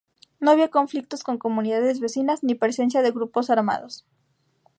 No había conflictos con comunidades vecinas ni presencia de grupos armados.